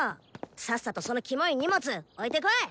さっさとそのキモい荷物置いてこい！